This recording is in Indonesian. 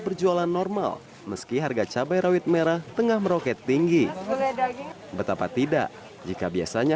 berjualan normal meski harga cabai rawit merah tengah meroket tinggi betapa tidak jika biasanya